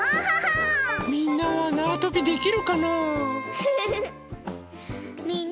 みんなはなわとびできるかな？